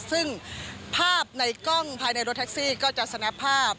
ซึ่งภาพในกล้องภายในรถแท็กซี่ก็จะสแนปภาพ